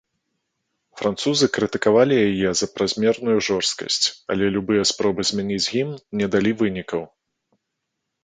Французы крытыкавалі яе за празмерную жорсткасць, але любыя спробы змяніць гімн не далі вынікаў.